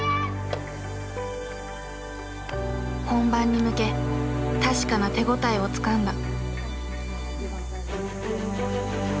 本番に向け確かな手応えをつかんだ。